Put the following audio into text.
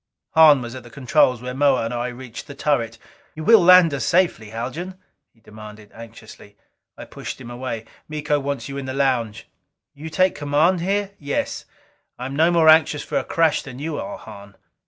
Hahn was at the controls when Moa and I reached the turret. "You will land us safely, Haljan?" he demanded anxiously. I pushed him away. "Miko wants you in the lounge." "You take command here?" "Yes. I am no more anxious for a crash than you are, Hahn."